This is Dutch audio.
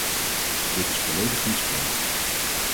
Dit is volledig misplaatst.